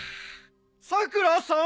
・さくらさん！